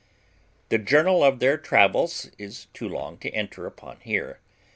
The journal of their travels is too long to enter upon here.